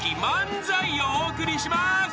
［漫才をお送りします］